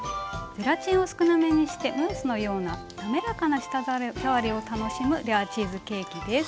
ゼラチンを少なめにしてムースのような滑らかな舌触りを楽しむレアチーズケーキです。